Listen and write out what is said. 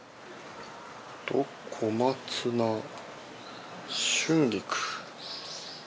小松菜春菊。